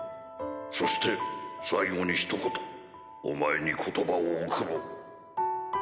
そして最後にひと言お前に言葉を贈ろう。